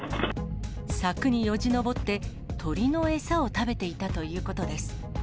柵によじ登って、鳥の餌を食べていたということです。